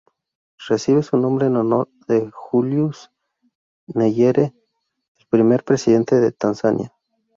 Recibe su nombre en honor de Julius Nyerere, el primer presidente de Tanzania.